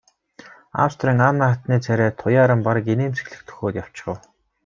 Австрийн Анна хатны царай туяаран бараг инээмсэглэх дөхөөд явчихав.